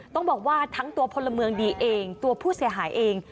ต้องบอกว่าทั้งตัวพลเมืองดีเองตัวผู้เสียหายเอง